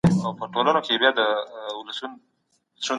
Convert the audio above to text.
د پښتورګو ناروغي د اوږدمهاله ستړیا سبب کېدای شي.